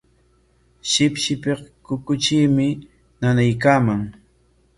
Shipshipik kukutriimi nanaykaaman.